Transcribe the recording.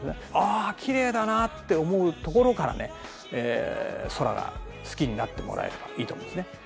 あきれいだなって思うところから空が好きになってもらえればいいと思うんですね。